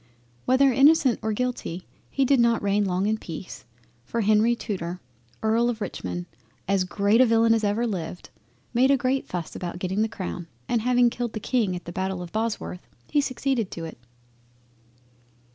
Whether innocent or guilty, he did not reign long in peace, for Henry Tudor E. of Richmond as great a villain as ever lived, made a great fuss about getting the Crown and having killed the King at the battle of Bosworth, he succeeded to it.